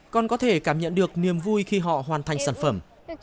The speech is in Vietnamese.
con có thể cảm nhận được niềm vui khi họ hoàn thành sản phẩm